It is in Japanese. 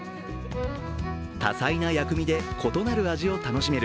多彩な薬味で異なる味を楽しめる